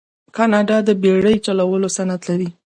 کاناډا د بیړۍ چلولو صنعت لري.